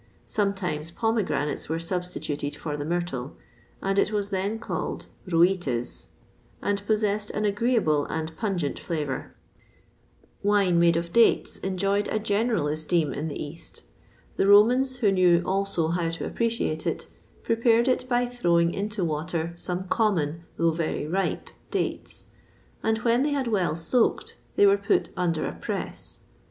[XXVI 42] Sometimes pomegranates were substituted for the myrtle, and it was then called rhoites, and possessed an agreeable and pungent flavour.[XXVI 43] Wine made of dates enjoyed a general esteem in the east. The Romans, who knew also how to appreciate it, prepared it by throwing into water some common, though very ripe, dates; and when they had well soaked, they were put under a press.